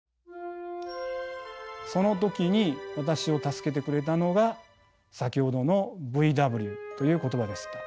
その時に私を助けてくれたのが先ほどのＶＷという言葉でした。